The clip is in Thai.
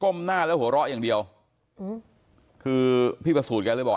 ก้มหน้าแล้วโหละอย่างเดียวคือพี่ประสูทกันลืมบอก